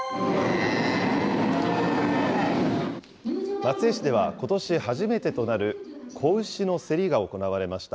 松江市ではことし初めてとなる子牛の競りが行われました。